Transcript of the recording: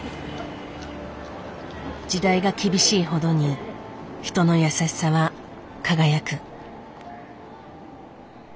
時代が厳しいほどに人の優しさは輝く。